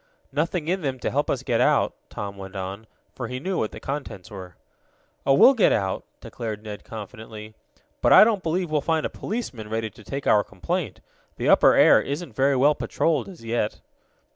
"Nothing in them to help us get out," Tom went on, for he knew what the contents were. "Oh, we'll get out," declared Ned confidently, "but I don't believe we'll find a policeman ready to take our complaint. The upper air isn't very well patrolled as yet."